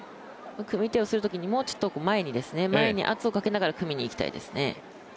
組み手をするときにもうちょっと前に圧をかけながら組みにいきたいですね。